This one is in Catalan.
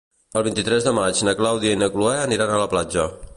El vint-i-tres de maig na Clàudia i na Cloè aniran a la platja.